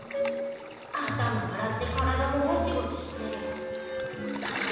頭洗って体もゴシゴシしてそうだ！